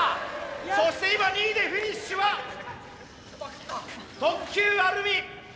そして今２位でフィニッシュは特急あるみ。